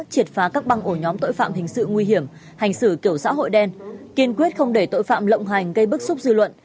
triệt phá các băng ổ nhóm tội phạm hình sự nguy hiểm hành xử kiểu xã hội đen kiên quyết không để tội phạm lộng hành gây bức xúc dư luận